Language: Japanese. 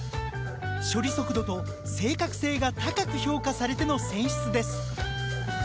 処理速度と正確性が高く評価されての選出です。